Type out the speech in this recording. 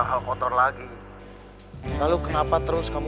mendingan sama aku kan